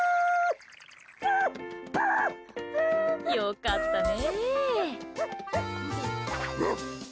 良かったね。